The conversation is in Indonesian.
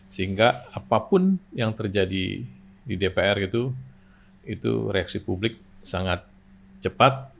sehingga apapun yang terjadi di dpr itu itu reaksi publik sangat cepat